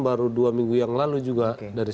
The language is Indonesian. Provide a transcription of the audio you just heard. baru dua minggu yang lalu juga dari